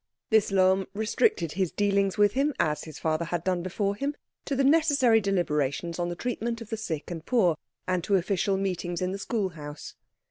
This Lohm restricted his dealings with him, as his father had done before him, to the necessary deliberations on the treatment of the sick and poor, and to official meetings in the schoolhouse.